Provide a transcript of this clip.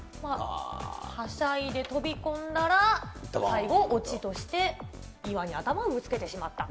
はしゃいで飛び込んだら、最後、オチとして岩に頭をぶつけてしまった。